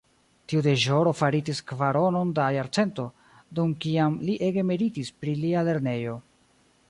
Tiu deĵoro faritis kvaronon da jarcento, dum kiam li ege meritis pri la lernejo.